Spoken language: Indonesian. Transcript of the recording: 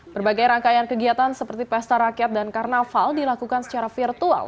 berbagai rangkaian kegiatan seperti pesta rakyat dan karnaval dilakukan secara virtual